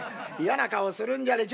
嫌な顔するんじゃねえ。